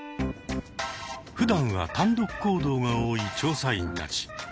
ふだんは単独行動が多い調査員たち。